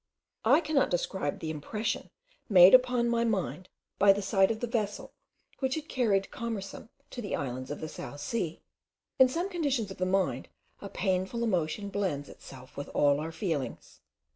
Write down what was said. I cannot describe the impression made upon my mind by the sight of the vessel which had carried Commerson to the islands of the South Sea. In some conditions of the mind, a painful emotion blends itself with all our feelings.